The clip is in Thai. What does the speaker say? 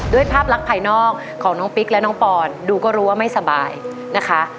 ภาพลักษณ์ภายนอกของน้องปิ๊กและน้องปอนดูก็รู้ว่าไม่สบายนะคะ